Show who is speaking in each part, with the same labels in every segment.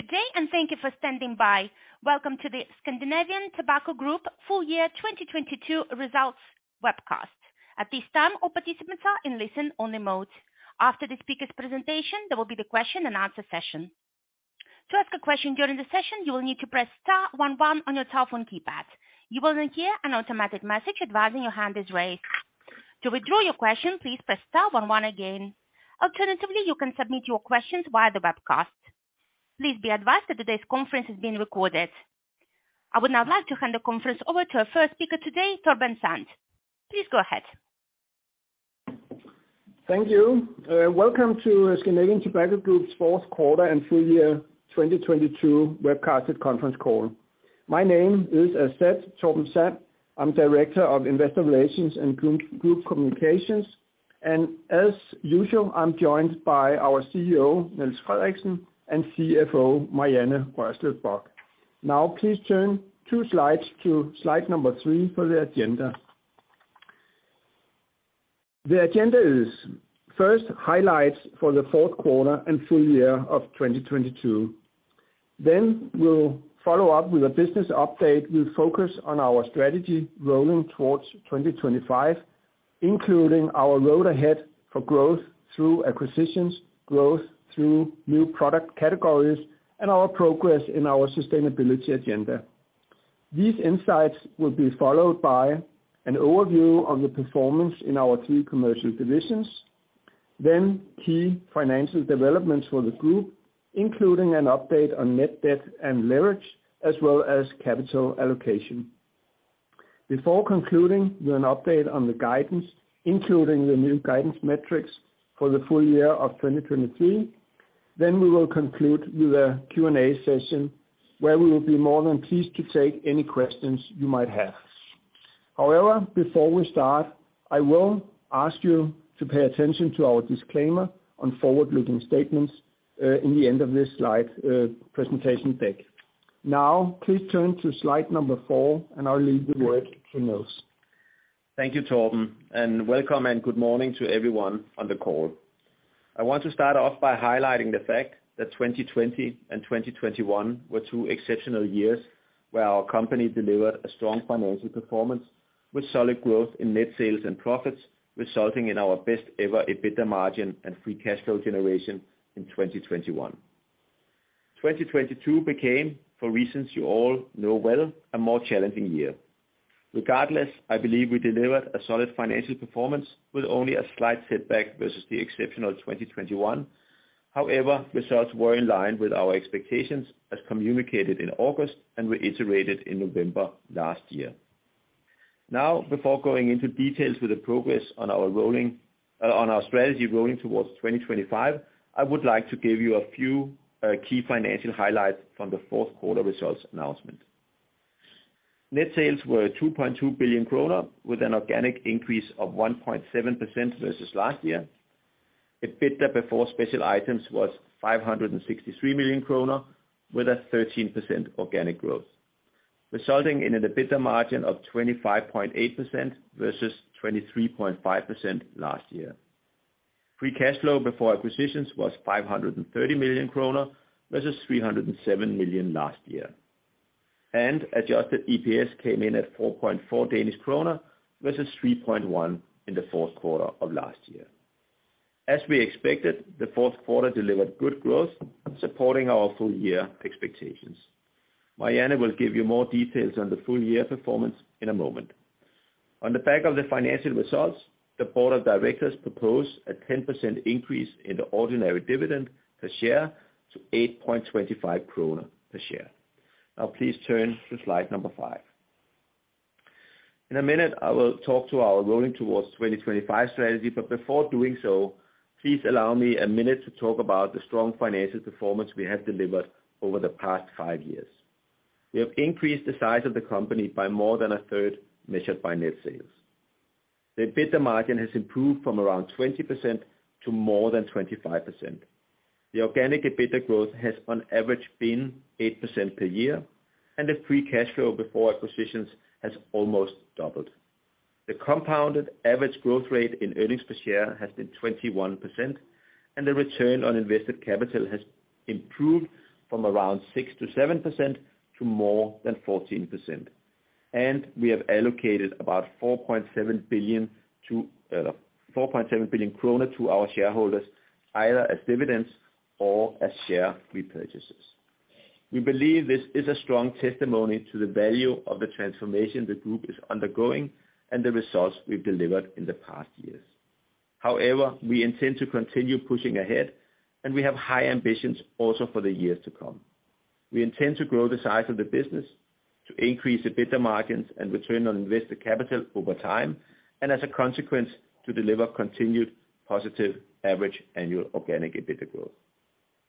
Speaker 1: Good day, thank you for standing by. Welcome to the Scandinavian Tobacco Group full year 2022 results webcast. At this time, all participants are in listen-only mode. After the speaker's presentation, there will be the question and answer session. To ask a question during the session, you will need to press star 11 on your telephone keypad. You will hear an automatic message advising your hand is raised. To withdraw your question, please press star 11 again. Alternatively, you can submit your questions via the webcast. Please be advised that today's conference is being recorded. I would now like to hand the conference over to our first speaker today, Torben Sand. Please go ahead.
Speaker 2: Thank you. Welcome to Scandinavian Tobacco Group's fourth quarter and full year 2022 webcasted conference call. My name is, as said, Torben Sand. I'm Director of Investor Relations and Group Communications. As usual, I'm joined by our CEO, Niels Frederiksen, and CFO, Marianne Rørslev Bock. Now, please turn two slides to slide number three for the agenda. The agenda is first highlights for the fourth quarter and full year of 2022. We'll follow up with a business update. We'll focus on our strategy Rolling Towards 2025, including our road ahead for growth through acquisitions, growth through new product categories, and our progress in our sustainability agenda. These insights will be followed by an overview of the performance in our two commercial divisions, key financial developments for the group, including an update on net debt and leverage, as well as capital allocation. Before concluding with an update on the guidance, including the new guidance metrics for the full year of 2023, we will conclude with a Q&A session where we will be more than pleased to take any questions you might have. Before we start, I will ask you to pay attention to our disclaimer on forward-looking statements in the end of this slide presentation deck. Please turn to slide number 4, I'll leave the word to Niels.
Speaker 3: Thank you, Torben. Welcome and good morning to everyone on the call. I want to start off by highlighting the fact that 2020 and 2021 were two exceptional years where our company delivered a strong financial performance with solid growth in net sales and profits, resulting in our best ever EBITDA margin and free cash flow generation in 2021. 2022 became, for reasons you all know well, a more challenging year. Regardless, I believe we delivered a solid financial performance with only a slight setback versus the exceptional 2021. However, results were in line with our expectations as communicated in August and reiterated in November last year. Before going into details with the progress on our strategy Rolling Towards 2025, I would like to give you a few key financial highlights from the fourth quarter results announcement. Net sales were 2.2 billion kroner with an organic increase of 1.7% versus last year. EBITDA before special items was 563 million kroner with a 13% organic growth, resulting in an EBITDA margin of 25.8% versus 23.5% last year. Free cash flow before acquisitions was 530 million kroner versus 307 million last year. Adjusted EPS came in at 4.4 Danish kroner versus 3.1 in the fourth quarter of last year. As we expected, the fourth quarter delivered good growth, supporting our full year expectations. Marianne will give you more details on the full year performance in a moment. On the back of the financial results, the board of directors propose a 10% increase in the ordinary dividend per share to 8.25 krone per share. Now please turn to slide number five. In a minute, I will talk to our Rolling Towards 2025 strategy, but before doing so, please allow me a minute to talk about the strong financial performance we have delivered over the past five years. We have increased the size of the company by more than a third, measured by net sales. The EBITDA margin has improved from around 20% to more than 25%. The organic EBITDA growth has on average been 8% per year, and the free cash flow before acquisitions has almost doubled. The compounded average growth rate in earnings per share has been 21%, and the return on invested capital has improved from around 6%-7% to more than 14%. We have allocated about 4.7 billion to our shareholders, either as dividends or as share repurchases. We believe this is a strong testimony to the value of the transformation the group is undergoing and the results we've delivered in the past years. However, we intend to continue pushing ahead, and we have high ambitions also for the years to come. We intend to grow the size of the business, to increase EBITDA margins and return on invested capital over time, and as a consequence, to deliver continued positive average annual organic EBITDA growth.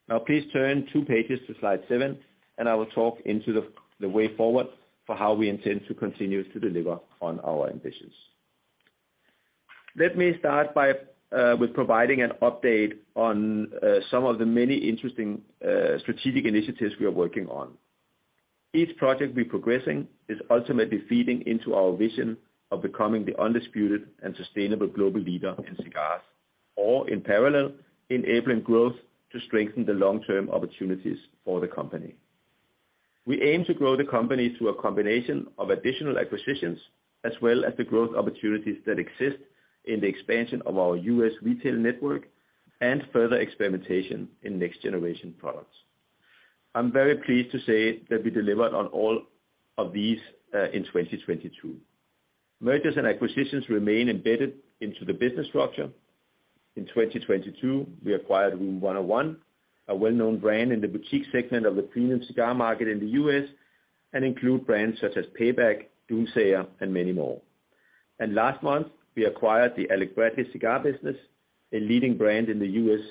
Speaker 3: Now please turn two pages to slide seven, and I will talk into the way forward for how we intend to continue to deliver on our ambitions. Let me start by with providing an update on some of the many interesting strategic initiatives we are working on. Each project we progressing is ultimately feeding into our vision of becoming the undisputed and sustainable global leader in cigars, all in parallel, enabling growth to strengthen the long-term opportunities for the company. We aim to grow the company through a combination of additional acquisitions, as well as the growth opportunities that exist in the expansion of our U.S. retail network and further experimentation in next-generation products. I'm very pleased to say that we delivered on all of these in 2022. Mergers and acquisitions remain embedded into the business structure. In 2022, we acquired Room101, a well-known brand in the boutique segment of the premium cigar market in the U.S., and include brands such as Payback, Doomsayer, and many more. Last month, we acquired the Alec Bradley cigar business, a leading brand in the U.S.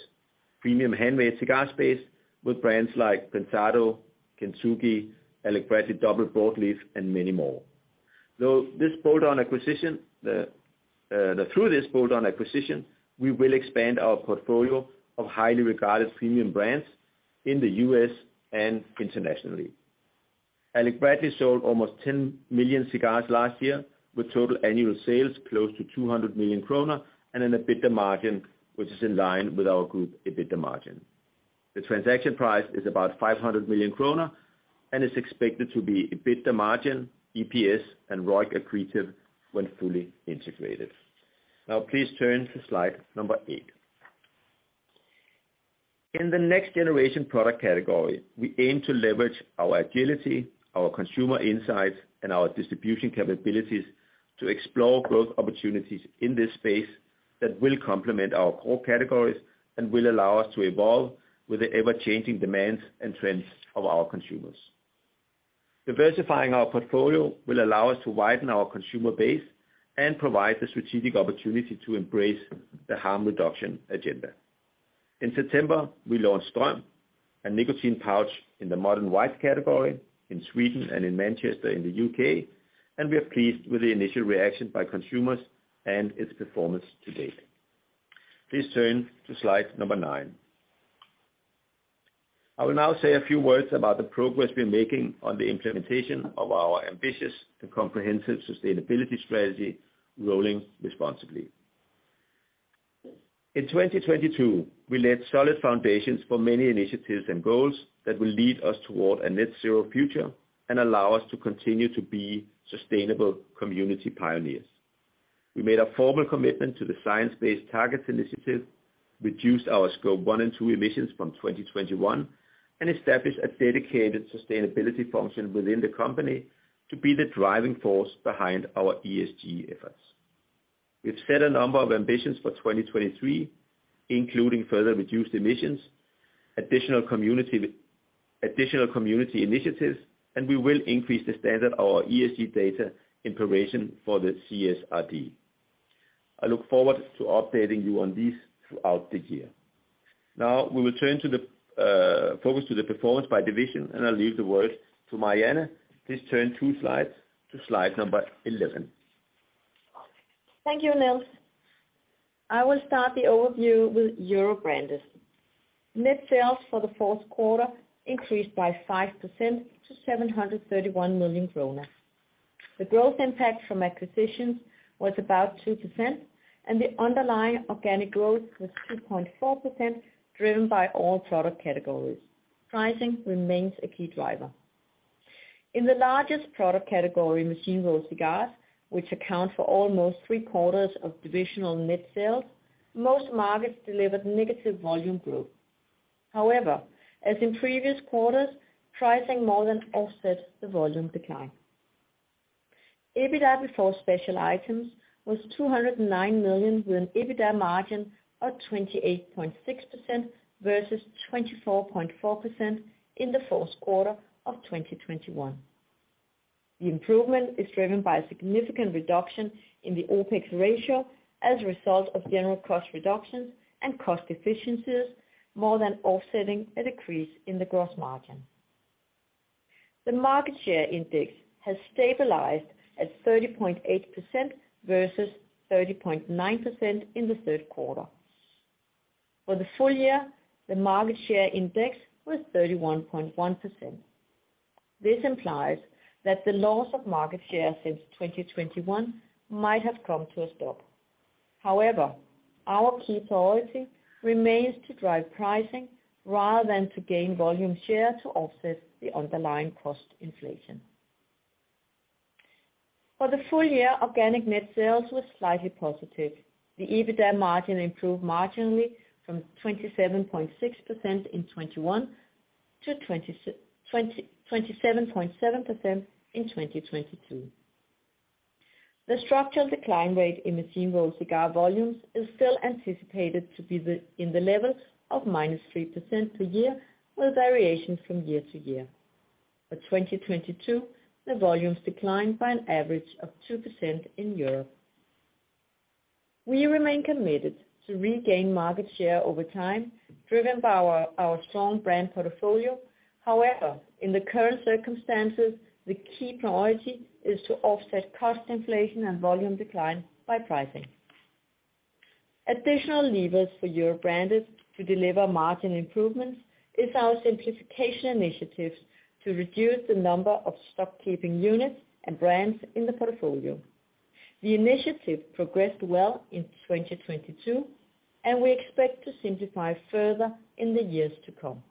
Speaker 3: Premium handmade cigar space with brands like Prensado, Kintsugi, Alec Bradley Double Broadleaf, and many more. Through this bolt-on acquisition, we will expand our portfolio of highly regarded premium brands in the U.S. and internationally. Alec Bradley sold almost 10 million cigars last year with total annual sales close to 200 million kroner and an EBITDA margin which is in line with our group EBITDA margin. The transaction price is about 500 million kroner and is expected to be EBITDA margin, EPS, and ROIC accretive when fully integrated. Now please turn to slide number 8. In the next generation product category, we aim to leverage our agility, our consumer insights, and our distribution capabilities to explore growth opportunities in this space that will complement our core categories and will allow us to evolve with the ever-changing demands and trends of our consumers. Diversifying our portfolio will allow us to widen our consumer base and provide the strategic opportunity to embrace the harm reduction agenda. In September, we launched STRÖM, a nicotine pouch in the modern white category in Sweden and in Manchester in the U.K., and we are pleased with the initial reaction by consumers and its performance to date. Please turn to slide number nine. I will now say a few words about the progress we're making on the implementation of our ambitious and comprehensive sustainability strategy, Rolling Responsibly. In 2022, we laid solid foundations for many initiatives and goals that will lead us toward a net zero future and allow us to continue to be sustainable community pioneers. We made a formal commitment to the Science Based Targets initiative, reduced our Scope one and two emissions from 2021, and established a dedicated sustainability function within the company to be the driving force behind our ESG efforts. We've set a number of ambitions for 2023, including further reduced emissions, additional community initiatives, and we will increase the standard of our ESG data in preparation for the CSRD. I look forward to updating you on these throughout the year. Now we will turn to the focus to the performance by division, and I'll leave the words to Marianne. Please turn two slides to slide number 11.
Speaker 4: Thank you, Niels. I will start the overview with Europe Branded. Net sales for the fourth quarter increased by 5% to 731 million kroner. The growth impact from acquisitions was about 2%, and the underlying organic growth was 2.4%, driven by all product categories. Pricing remains a key driver. In the largest product category, machine-rolled cigars, which account for almost three-quarters of divisional net sales, most markets delivered negative volume growth. However, as in previous quarters, pricing more than offset the volume decline. EBITDA before special items was 209 million, with an EBITDA margin of 28.6% versus 24.4% in the fourth quarter of 2021. The improvement is driven by a significant reduction in the OpEx ratio as a result of general cost reductions and cost efficiencies, more than offsetting a decrease in the gross margin. The market share index has stabilized at 30.8% versus 30.9% in the third quarter. For the full year, the market share index was 31.1%. This implies that the loss of market share since 2021 might have come to a stop. Our key priority remains to drive pricing rather than to gain volume share to offset the underlying cost inflation. For the full year, organic net sales was slightly positive. The EBITDA margin improved marginally from 27.6% in 2021 to 27.7% in 2022. The structural decline rate in machine-rolled cigar volumes is still anticipated to be in the level of -3% per year, with variations from year-to-year. For 2022, the volumes declined by an average of 2% in Europe. We remain committed to regain market share over time, driven by our strong brand portfolio. However, in the current circumstances, the key priority is to offset cost inflation and volume decline by pricing. Additional levers for Europe Branded to deliver margin improvements is our simplification initiatives to reduce the number of stock keeping units and brands in the portfolio. The initiative progressed well in 2022, and we expect to simplify further in the years to come.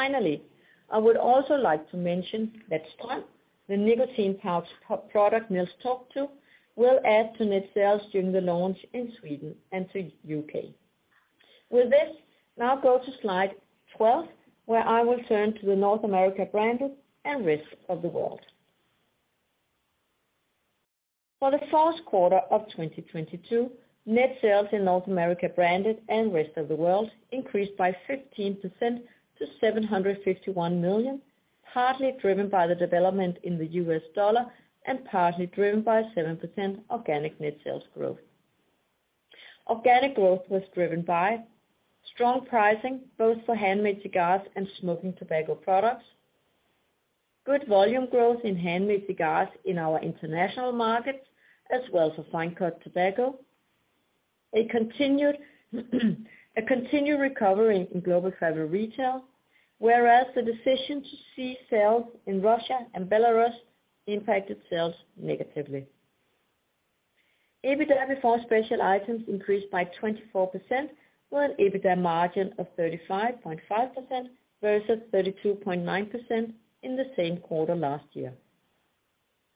Speaker 4: Finally, I would also like to mention that STRÖM, the nicotine pouch product Niels talked to, will add to net sales during the launch in Sweden and to U.K.. With this, now go to slide 12, where I will turn to the North America Branded and Rest of World. For the fourth quarter of 2022, net sales in North America Branded and Rest of World increased by 15% to $751 million, partly driven by the development in the U.S. dollar and partly driven by 7% organic net sales growth. Organic growth was driven by strong pricing, both for handmade cigars and smoking tobacco products. Good volume growth in handmade cigars in our international markets, as well as for fine cut tobacco. A continued recovery in global travel retail, whereas the decision to cease sales in Russia and Belarus impacted sales negatively. EBITDA before special items increased by 24% with an EBITDA margin of 35.5% versus 32.9% in the same quarter last year.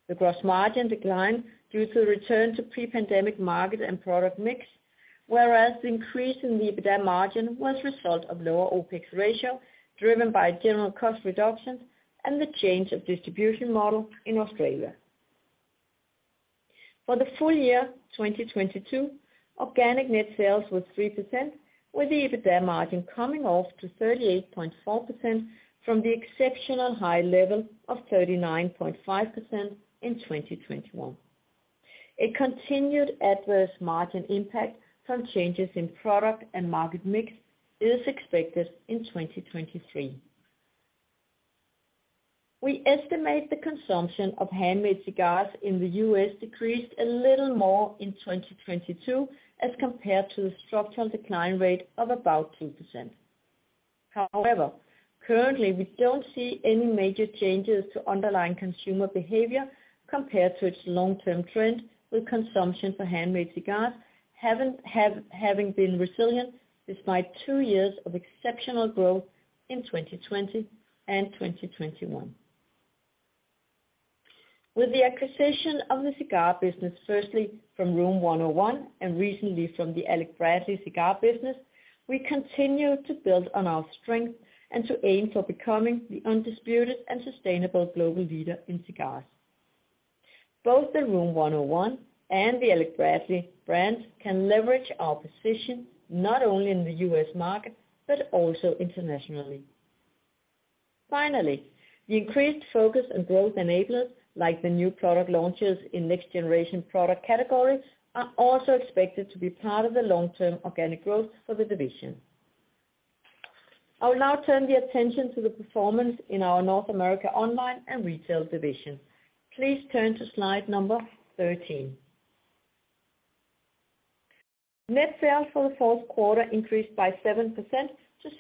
Speaker 4: The gross margin declined due to the return to pre-pandemic market and product mix, whereas the increase in the EBITDA margin was a result of lower OpEx ratio, driven by general cost reductions and the change of distribution model in Australia. For the full year 2022, organic net sales was 3% with the EBITDA margin coming off to 38.4% from the exceptional high level of 39.5% in 2021. A continued adverse margin impact from changes in product and market mix is expected in 2023. We estimate the consumption of handmade cigars in the U.S. decreased a little more in 2022 as compared to the structural decline rate of about 2%. Currently we don't see any major changes to underlying consumer behavior compared to its long-term trend, with consumption for handmade cigars having been resilient despite two years of exceptional growth in 2020 and 2021. With the acquisition of the cigar business, firstly from Room101 and recently from the Alec Bradley cigar business, we continue to build on our strength and to aim for becoming the undisputed and sustainable global leader in cigars. Both the Room101 and the Alec Bradley brands can leverage our position not only in the U.S. market, but also internationally. The increased focus on growth enablers, like the new product launches in next generation product categories, are also expected to be part of the long-term organic growth for the division. I will now turn the attention to the performance in our North America Online & Retail division. Please turn to slide number 13. Net sales for the fourth quarter increased by 7% to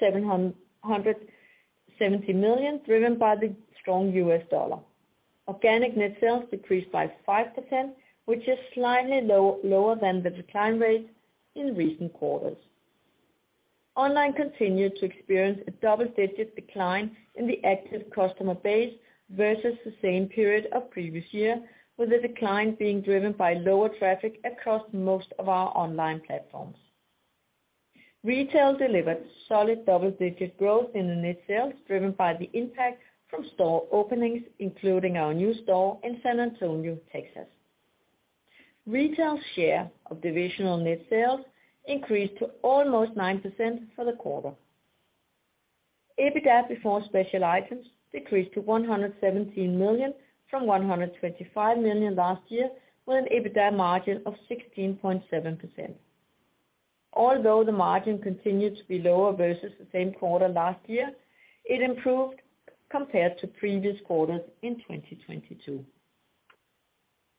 Speaker 4: 770 million, driven by the strong U.S. dollar. Organic net sales decreased by 5%, which is slightly lower than the decline rate in recent quarters. Online continued to experience a double-digit decline in the active customer base versus the same period of previous year, with the decline being driven by lower traffic across most of our online platforms. Retail delivered solid double-digit growth in the net sales, driven by the impact from store openings, including our new store in San Antonio, Texas. Retail share of divisional net sales increased to almost 9% for the quarter. EBITDA before special items decreased to 117 million from 125 million last year, with an EBITDA margin of 16.7%. Although the margin continued to be lower versus the same quarter last year, it improved compared to previous quarters in 2022.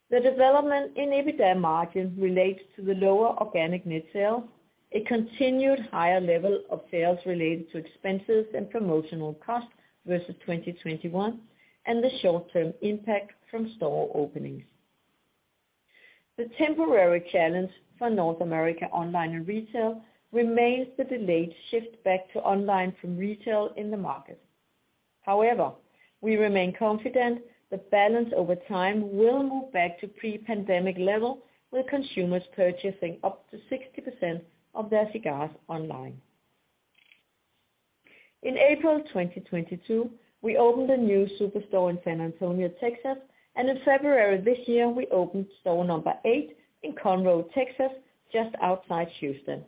Speaker 4: The development in EBITDA margin relates to the lower organic net sales, a continued higher level of sales related to expenses and promotional costs versus 2021, and the short-term impact from store openings. The temporary challenge for North America Online and Retail remains the delayed shift back to online from retail in the market. However, we remain confident the balance over time will move back to pre-pandemic level, with consumers purchasing up to 60% of their cigars online. In April 2022, we opened a new superstore in San Antonio, Texas, and in February this year, we opened store number eight in Conroe, Texas, just outside Houston.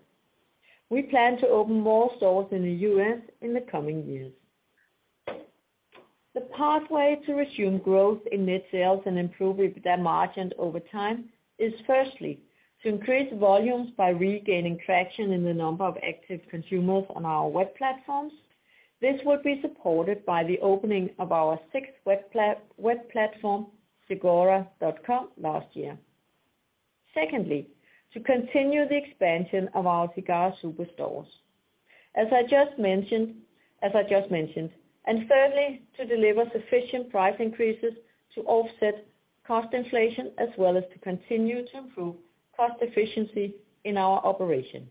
Speaker 4: We plan to open more stores in the U.S. in the coming years. The pathway to resume growth in net sales and improve EBITDA margins over time is firstly to increase volumes by regaining traction in the number of active consumers on our web platforms. This would be supported by the opening of our sixth web platform, Cigora.com last year. Secondly, to continue the expansion of our cigar super stores. As I just mentioned. Thirdly, to deliver sufficient price increases to offset cost inflation, as well as to continue to improve cost efficiency in our operation.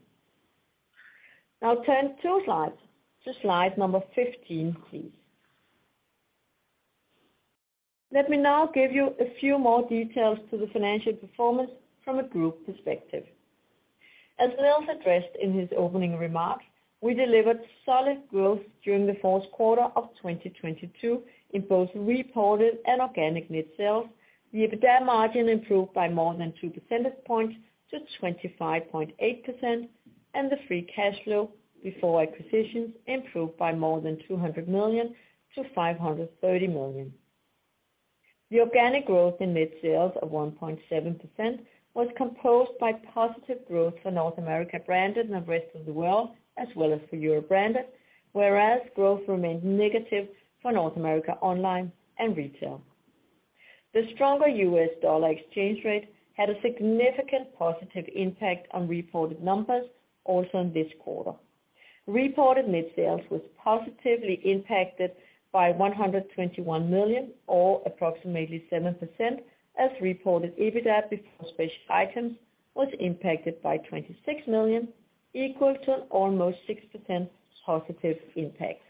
Speaker 4: Turn two slides to slide number 15, please. Let me now give you a few more details to the financial performance from a group perspective. As Niels addressed in his opening remarks, we delivered solid growth during the fourth quarter of 2022 in both reported and organic net sales. The EBITDA margin improved by more than two percentage points to 25.8%, and the free cash flow before acquisitions improved by more than 200 million-530 million. The organic growth in net sales of 1.7% was composed by positive growth for North America Branded & Rest of World, as well as for Europe Branded, whereas growth remained negative for North America Online & Retail. The stronger U.S. Dollar exchange rate had a significant positive impact on reported numbers also in this quarter. Reported net sales was positively impacted by $121 million or approximately 7% as reported EBITDA before special items was impacted by $26 million, equal to an almost 6% positive impact.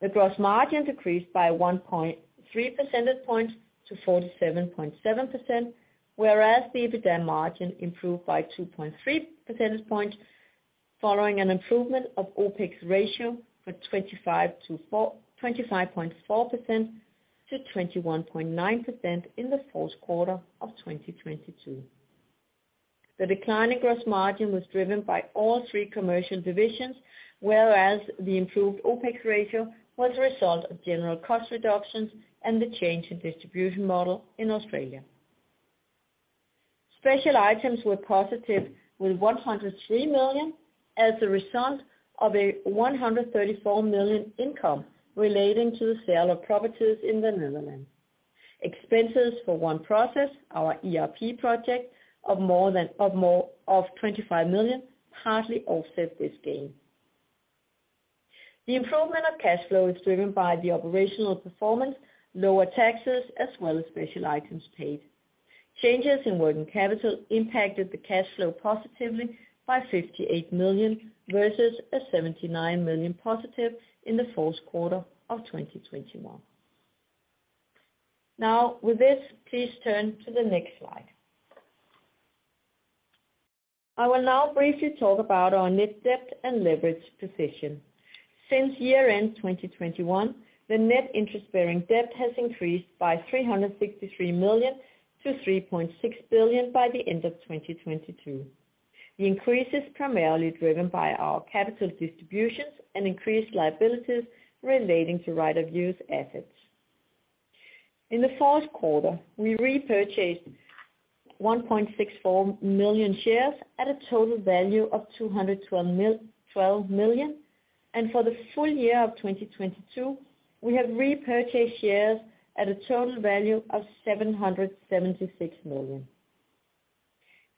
Speaker 4: The gross margin decreased by 1.3 percentage points to 47.7%, whereas the EBITDA margin improved by 2.3 percentage points following an improvement of OpEx ratio 25.4% to 21.9% in the fourth quarter of 2022. The decline in gross margin was driven by all three commercial divisions, whereas the improved OpEx ratio was a result of general cost reductions and the change in distribution model in Australia. Special items were positive with 103 million as a result of a 134 million income relating to the sale of properties in the Netherlands. Expenses for One Process Project, our ERP project of 25 million partly offset this gain. The improvement of cash flow is driven by the operational performance, lower taxes as well as special items paid. Changes in working capital impacted the cash flow positively by 58 million versus a 79 million positive in the fourth quarter of 2021. With this, please turn to the next slide. I will now briefly talk about our net debt and leverage position. Since year-end 2021, the net interest-bearing debt has increased by 363 million to 3.6 billion by the end of 2022. The increase is primarily driven by our capital distributions and increased liabilities relating to right of use assets. In the fourth quarter, we repurchased 1.64 million shares at a total value of 212 million, and for the full year of 2022, we have repurchased shares at a total value of 776 million.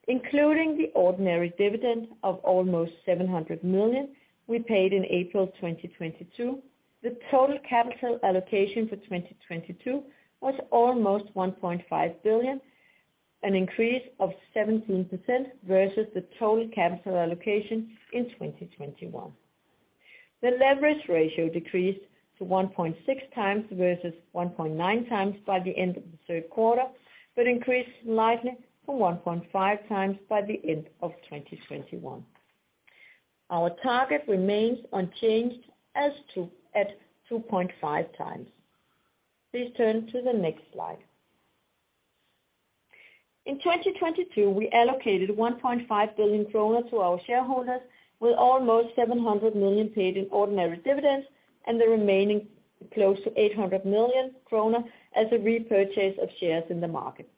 Speaker 4: Including the ordinary dividend of almost 700 million we paid in April 2022, the total capital allocation for 2022 was almost 1.5 billion, an increase of 17% versus the total capital allocation in 2021. The leverage ratio decreased to 1.6x versus 1.9x by the end of the third quarter, but increased slightly to 1.5x by the end of 2021. Our target remains unchanged at 2.5x. Please turn to the next slide. In 2022, we allocated 1.5 billion kroner to our shareholders, with almost 700 million paid in ordinary dividends and the remaining close to 800 million kroner as a repurchase of shares in the market.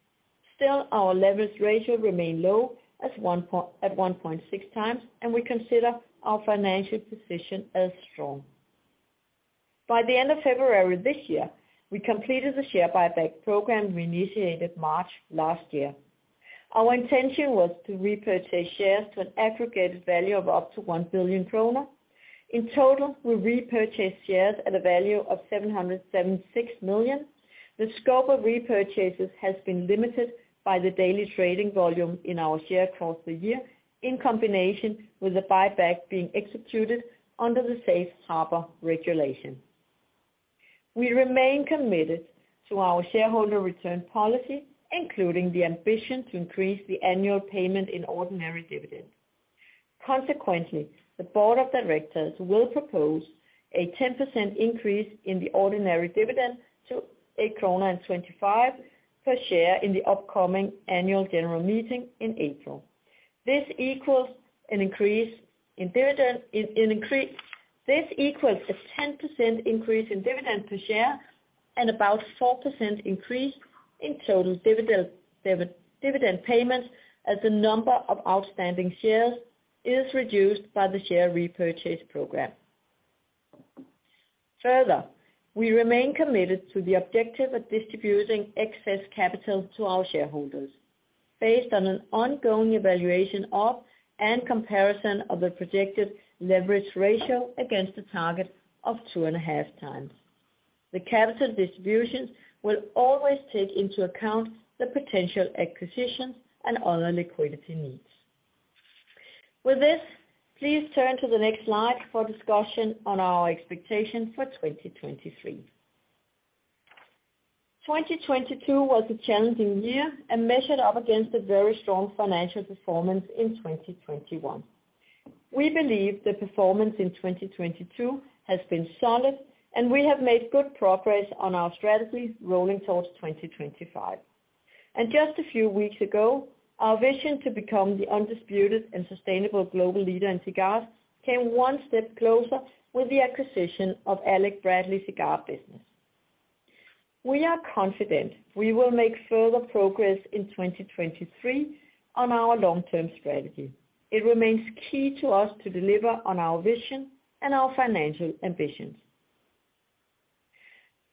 Speaker 4: Still, our leverage ratio remained low at 1.6x. We consider our financial position as strong. By the end of February this year, we completed the share buyback program we initiated March last year. Our intention was to repurchase shares to an aggregated value of up to 1 billion kroner. In total, we repurchased shares at a value of 776 million. The scope of repurchases has been limited by the daily trading volume in our share across the year in combination with the buyback being executed under the Safe Harbour Regulation. We remain committed to our shareholder return policy, including the ambition to increase the annual payment in ordinary dividend. Consequently, the board of directors will propose a 10% increase in the ordinary dividend to 1.25 kroner per share in the upcoming annual general meeting in April. This equals a 10% increase in dividend per share. About 4% increase in total dividend payments as the number of outstanding shares is reduced by the share repurchase program. Further, we remain committed to the objective of distributing excess capital to our shareholders based on an ongoing evaluation of and comparison of the projected leverage ratio against the target of 2.5x. The capital distributions will always take into account the potential acquisitions and other liquidity needs. With this, please turn to the next slide for discussion on our expectations for 2023. 2022 was a challenging year and measured up against a very strong financial performance in 2021. We believe the performance in 2022 has been solid, and we have made good progress on our strategy Rolling Towards 2025. Just a few weeks ago, our vision to become the undisputed and sustainable global leader in cigars came one step closer with the acquisition of Alec Bradley cigar business. We are confident we will make further progress in 2023 on our long-term strategy. It remains key to us to deliver on our vision and our financial ambitions.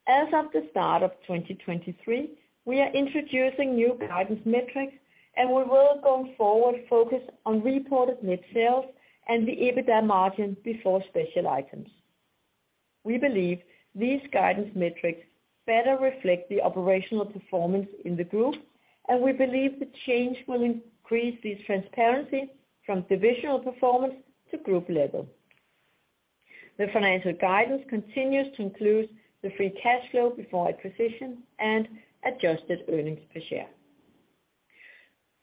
Speaker 4: As of the start of 2023, we are introducing new guidance metrics. We will going forward focus on reported net sales and the EBITDA margin before special items. We believe these guidance metrics better reflect the operational performance in the group. We believe the change will increase the transparency from divisional performance to group level. The financial guidance continues to include the free cash flow before acquisition and adjusted earnings per share.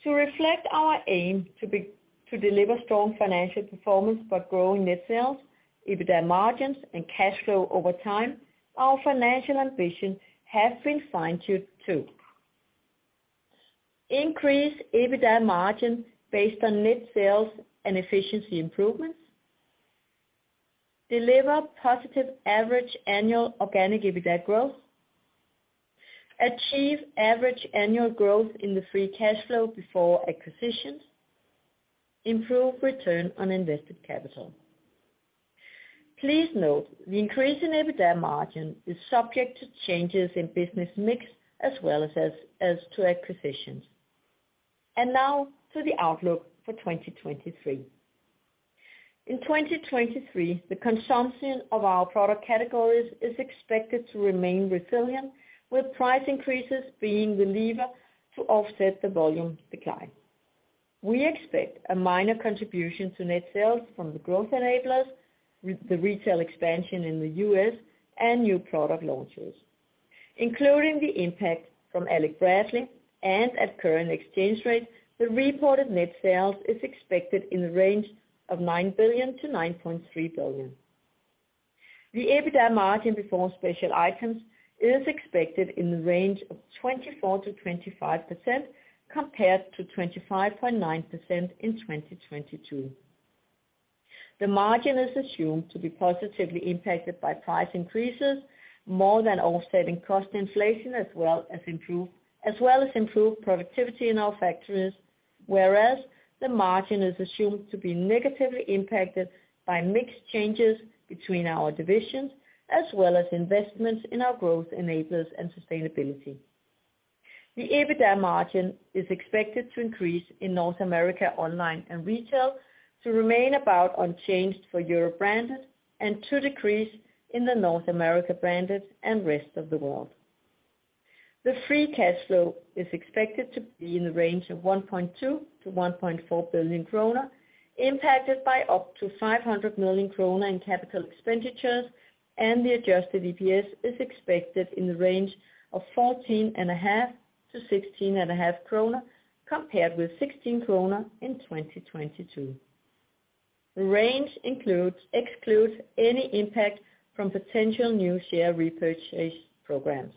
Speaker 4: To reflect our aim to deliver strong financial performance by growing net sales, EBITDA margins, cash flow over time, our financial ambition have been fine-tuned too. Increase EBITDA margin based on net sales and efficiency improvements. Deliver positive average annual organic EBITDA growth. Achieve average annual growth in the free cash flow before acquisitions. Improve return on invested capital. Please note the increase in EBITDA margin is subject to changes in business mix as well as to acquisitions. Now to the outlook for 2023. In 2023, the consumption of our product categories is expected to remain resilient, with price increases being the lever to offset the volume decline. We expect a minor contribution to net sales from the growth enablers, the retail expansion in the U.S. and new product launches. Including the impact from Alec Bradley and at current exchange rate, the reported net sales is expected in the range of 9 billion-9.3 billion. The EBITDA margin before special items is expected in the range of 24%-25% compared to 25.9% in 2022. The margin is assumed to be positively impacted by price increases more than offsetting cost inflation as well as improved productivity in our factories. The margin is assumed to be negatively impacted by mix changes between our divisions as well as investments in our growth enablers and sustainability. The EBITDA margin is expected to increase in North America Online & Retail to remain about unchanged for Europe Branded and to decrease in the North America Branded & Rest of World. The free cash flow is expected to be in the range of 1.2 billion-1.4 billion kroner, impacted by up to 500 million kroner in CapEx, and the adjusted EPS is expected in the range of 14.5-16.5 kroner, compared with 16 kroner in 2022. The range excludes any impact from potential new share repurchase programs.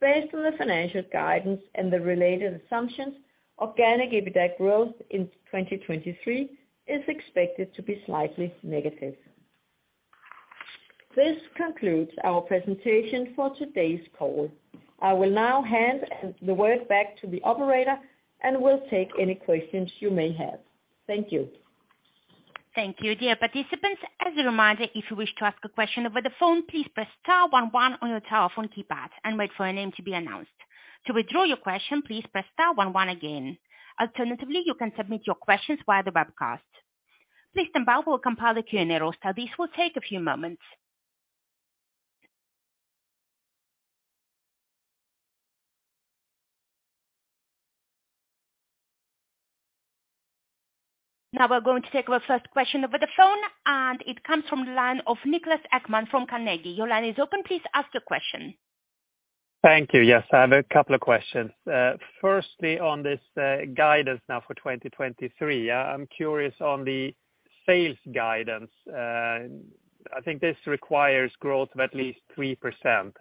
Speaker 4: Based on the financial guidance and the related assumptions, organic EBITDA growth in 2023 is expected to be slightly negative. This concludes our presentation for today's call. I will now hand the work back to the operator and will take any questions you may have. Thank you.
Speaker 1: Thank you. Dear participants, as a reminder, if you wish to ask a question over the phone, please press star one one on your telephone keypad and wait for your name to be announced. To withdraw your question, please press star one one again. Alternatively, you can submit your questions via the webcast. Please stand by while we compile the Q&A roster. This will take a few moments. We're going to take our first question over the phone. It comes from the line of Niklas Ekman from Carnegie. Your line is open. Please ask your question.
Speaker 5: Thank you. Yes, I have a couple of questions. Firstly, on this guidance now for 2023, I'm curious on the Sales guidance. I think this requires growth of at least 3%.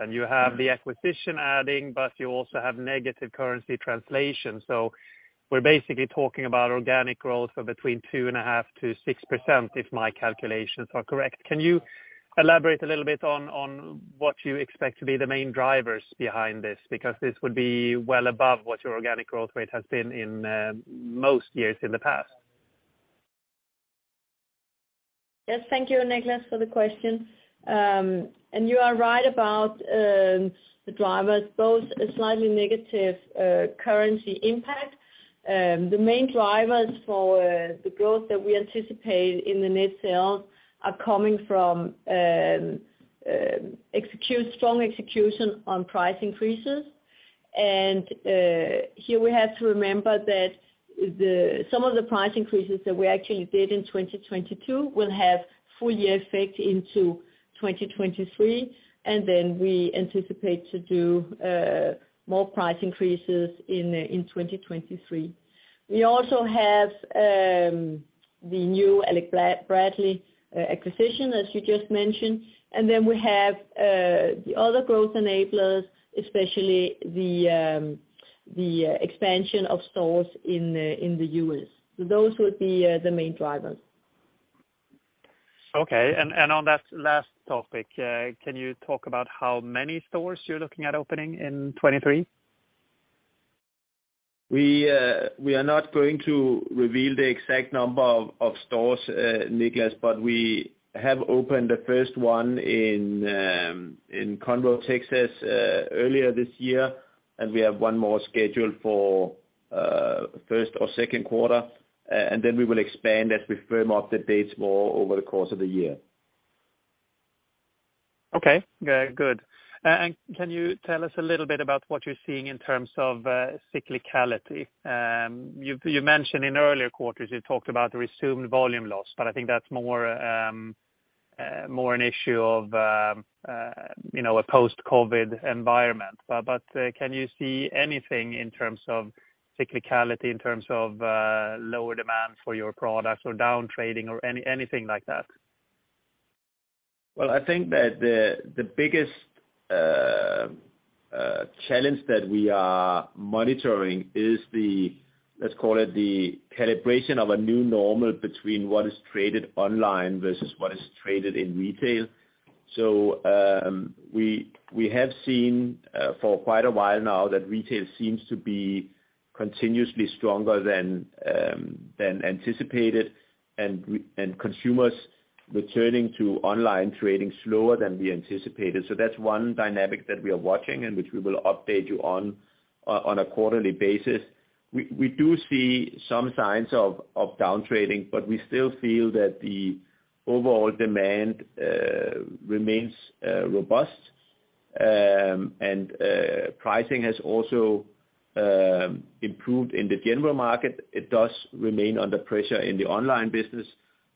Speaker 5: You have the acquisition adding, but you also have negative currency translation. We're basically talking about organic growth of between 2.5%-6% if my calculations are correct. Can you elaborate a little bit on what you expect to be the main drivers behind this? This would be well above what your organic growth rate has been in most years in the past.
Speaker 4: Yes, thank you, Niklas, for the question. You are right about the drivers, both a slightly negative currency impact. The main drivers for the growth that we anticipate in the net sales are coming from strong execution on price increases. Here we have to remember that some of the price increases that we actually did in 2022 will have full year effect into 2023, then we anticipate to do more price increases in 2023. We also have the new Alec Bradley acquisition, as you just mentioned. We have the other growth enablers, especially the expansion of stores in the US. Those would be the main drivers.
Speaker 5: Okay. On that last topic, can you talk about how many stores you're looking at opening in 2023?
Speaker 3: We, we are not going to reveal the exact number of stores, Niklas, but we have opened the first one in Conroe, Texas, earlier this year, and we have one more scheduled for, first or second quarter. We will expand as we firm up the dates more over the course of the year.
Speaker 5: Okay. Good. Can you tell us a little bit about what you're seeing in terms of cyclicality? You've, you mentioned in earlier quarters, you talked about the resumed volume loss, but I think that's more, more an issue of, you know, a post-COVID environment. Can you see anything in terms of cyclicality, in terms of lower demand for your products or down trading or anything like that?
Speaker 3: Well, I think that the biggest challenge that we are monitoring is, let's call it the calibration of a new normal between what is traded online versus what is traded in retail. We have seen for quite a while now that retail seems to be continuously stronger than anticipated, and consumers returning to online trading slower than we anticipated. That's one dynamic that we are watching and which we will update you on a quarterly basis. We do see some signs of down trading, but we still feel that the overall demand remains robust. Pricing has also improved in the general market. It does remain under pressure in the online business.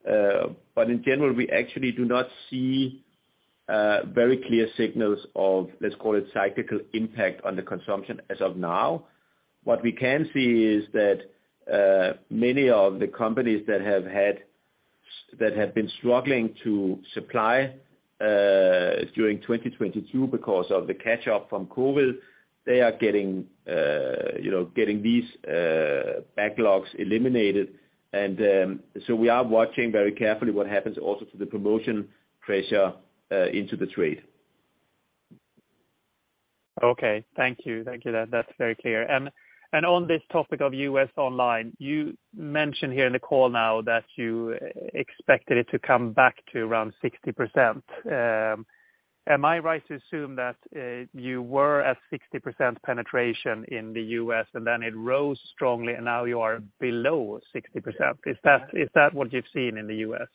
Speaker 3: In general, we actually do not see very clear signals of, let's call it cyclical impact on the consumption as of now. What we can see is that many of the companies that have been struggling to supply during 2022 because of the catch up from COVID, they are getting, you know, getting these backlogs eliminated. We are watching very carefully what happens also to the promotion pressure into the trade.
Speaker 5: Okay. Thank you. Thank you. That's very clear. On this topic of U.S. online, you mentioned here in the call now that you expected it to come back to around 60%. Am I right to assume that you were at 60% penetration in the US, and then it rose strongly, and now you are below 60%? Is that what you've seen in the US?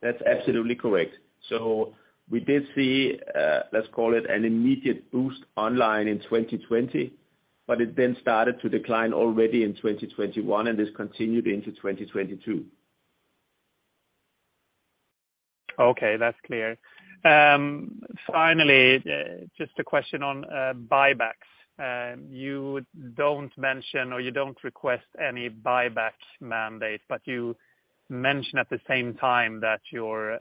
Speaker 3: That's absolutely correct. We did see, let's call it an immediate boost online in 2020, but it then started to decline already in 2021, and this continued into 2022.
Speaker 5: Okay, that's clear. Finally, just a question on buybacks. You don't mention or you don't request any buybacks mandate, but you mention at the same time that your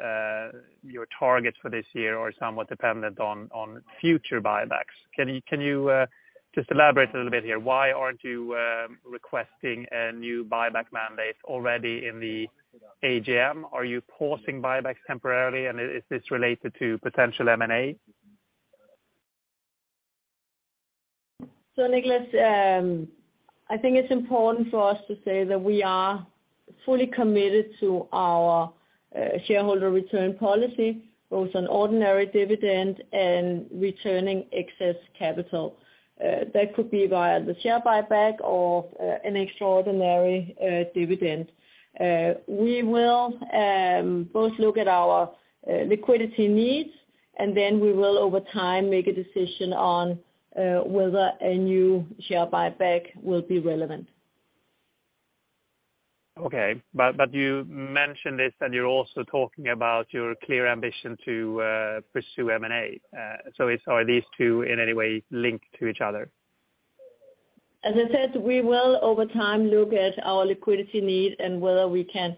Speaker 5: targets for this year are somewhat dependent on future buybacks. Can you just elaborate a little bit here? Why aren't you requesting a new buyback mandate already in the AGM? Are you pausing buybacks temporarily? Is this related to potential M&A?
Speaker 4: Niklas, I think it's important for us to say that we are fully committed to our shareholder return policy, both on ordinary dividend and returning excess capital. That could be via the share buyback or an extraordinary dividend. We will both look at our liquidity needs, and then we will over time make a decision on whether a new share buyback will be relevant.
Speaker 5: Okay. You mentioned this, and you're also talking about your clear ambition to pursue M&A. Are these two in any way linked to each other?
Speaker 4: As I said, we will over time look at our liquidity need and whether we can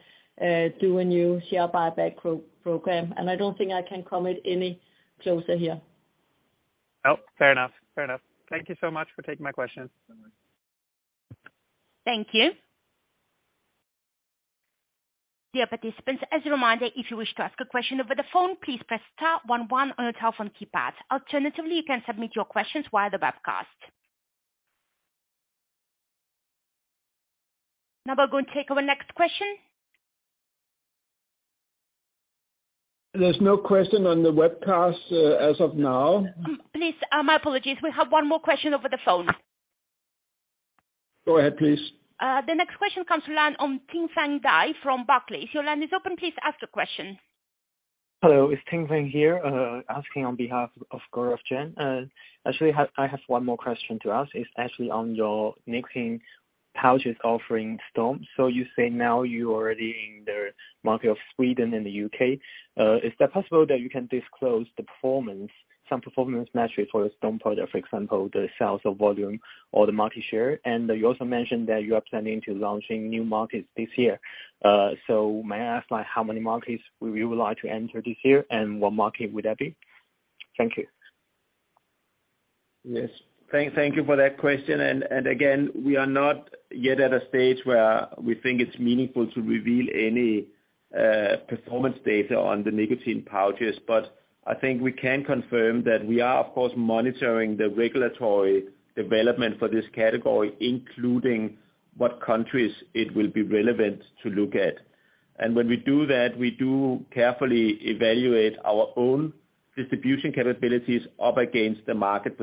Speaker 4: do a new share buyback program. I don't think I can comment any closer here.
Speaker 5: Oh, fair enough. Fair enough. Thank you so much for taking my question.
Speaker 1: Thank you. Dear participants, as a reminder, if you wish to ask a question over the phone, please press star one one on your telephone keypad. Alternatively, you can submit your questions via the webcast. Now we're going to take our next question.
Speaker 2: There's no question on the webcast, as of now.
Speaker 1: Please, my apologies. We have one more question over the phone.
Speaker 2: Go ahead, please.
Speaker 1: The next question comes to line from Ting-Fang Dai from Barclays. Your line is open, please ask the question.
Speaker 6: Hello, it's Ting-Fang here, asking on behalf of Gaurav Jain. Actually, I have one more question to ask. It's actually on your nicotine pouches offering STRÖM. You say now you are already in the market of Sweden and the U.K.. Is that possible that you can disclose the performance, some performance metrics for the STRÖM product, for example, the sales or volume or the market share? You also mentioned that you are planning to launching new markets this year. May I ask like, how many markets would you like to enter this year, and what market would that be? Thank you.
Speaker 3: Yes. Thank you for that question. Again, we are not yet at a stage where we think it's meaningful to reveal any performance data on the nicotine pouches. I think we can confirm that we are of course, monitoring the regulatory development for this category, including what countries it will be relevant to look at. When we do that, we do carefully evaluate our own distribution capabilities up against the market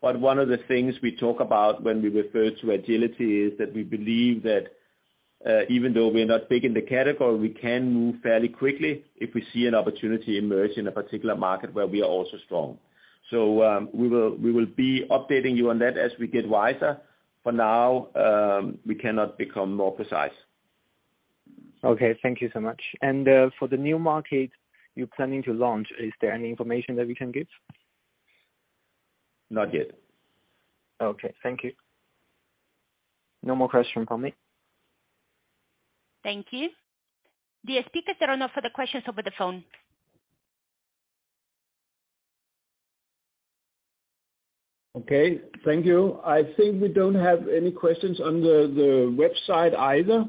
Speaker 3: potential. One of the things we talk about when we refer to agility is that we believe that even though we're not big in the category, we can move fairly quickly if we see an opportunity emerge in a particular market where we are also strong. We will be updating you on that as we get wiser. For now, we cannot become more precise.
Speaker 6: Okay, thank you so much. For the new market you're planning to launch, is there any information that we can give?
Speaker 3: Not yet.
Speaker 6: Okay. Thank you. No more question from me.
Speaker 1: Thank you. The speakers are now for the questions over the phone.
Speaker 2: Okay. Thank you. I think we don't have any questions on the website either,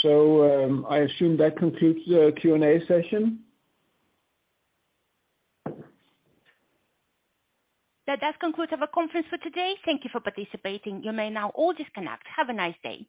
Speaker 2: so I assume that concludes the Q&A session.
Speaker 1: That does conclude our conference for today. Thank you for participating. You may now all disconnect. Have a nice day.